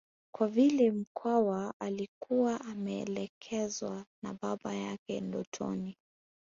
Kwa vile Mkwawa alikuwa ameelekezwa na baba yake ndotoni